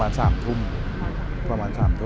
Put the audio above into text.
ไม่รู้ว่ามีคนติดละนาด